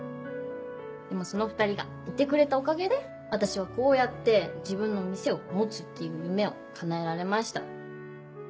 でもその２人がいてくれたおかげで私はこうやって自分の店を持つっていう夢を叶えられました。